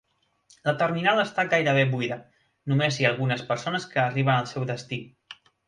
La terminal està gairebé buida, només hi ha algunes persones que arriben al seu destí.